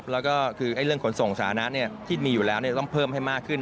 แล้วก็คือเรื่องขนส่งสาธารณะที่มีอยู่แล้วต้องเพิ่มให้มากขึ้น